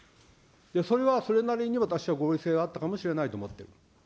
それはそれなりに私は合理性があったかもしれないと思っている。